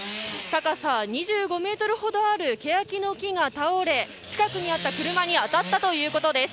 高さ２５ｍほどあるケヤキの木が倒れ近くにあった車に当たったということです。